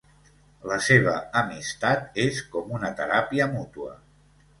La seva amistat és com una teràpia mútua.